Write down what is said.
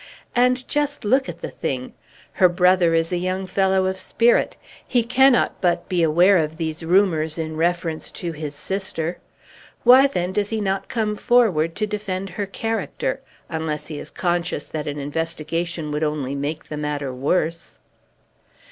And just look at the thing: Her brother is a young fellow of spirit. He cannot but be aware of these rumors in reference to his sister. Why, then, does he not come forward to defend her character, unless he is conscious that an investigation would only make the matter worse?"